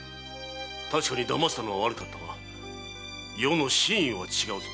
確かに騙したのは悪かったが余の真意は違うぞ。